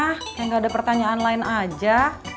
kayak gak ada pertanyaan lain aja